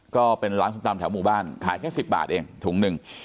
ก็เป็นร้านส้มตำแถวหมู่บ้านขายแค่๑๐บาทเองถุงหนึ่ง